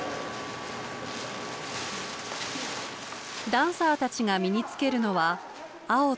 ダンサーたちが身につけるのは青と白のスカート。